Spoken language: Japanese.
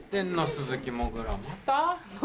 鈴木もぐらまた？